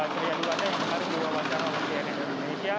seriandu wadah yang kemarin diwawancara oleh tni dan indonesia